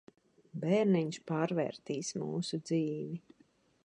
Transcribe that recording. Bērniņš pārvērtīs mūsu dzīvi.